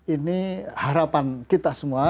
ini harapan kita semua